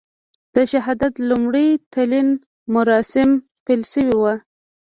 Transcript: د شهادت لومړي تلین مراسیم پیل شوي و.